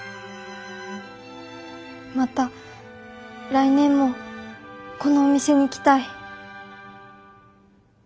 また来年もこのお店に来たい。